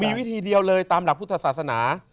มีวิธีเดียวเลยตามหลักพุทธศาสนา